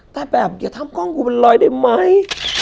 แต่แบบอย่าทำกล้องกูมันลอยได้ไหม